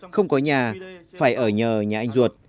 không có nhà phải ở nhờ nhà anh ruột